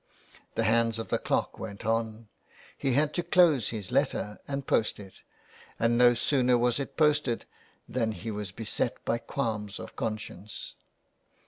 The hands of the clock went on, he had to close his letter and post it ; and no sooner was it posted than he was beset by qualms of conscience.